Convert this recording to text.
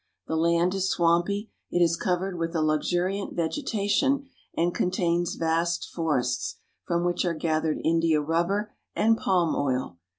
The land is swampy ; it is covered ■ with a luxuriant vegetation and contains vast forests, from I which are gathered India rubber and palm oil.